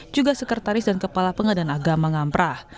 juga sekretaris dan kepala pengadilan agama ngampra